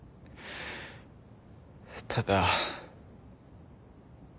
ただ。